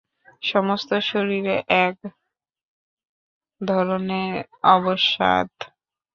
সমস্ত শরীরে এক ধরনের অবসাদ।